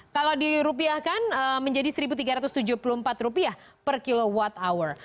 kalau dirupiahkan menjadi rp satu tiga ratus tujuh puluh empat per kilowatt hour